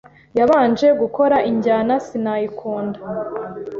yabanje gukora injyana sinayikunda